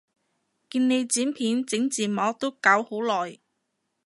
見你剪片整字幕都搞好耐